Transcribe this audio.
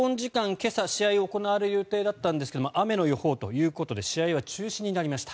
今朝、試合が行われる予定だったんですが雨の予報ということで試合は中止になりました。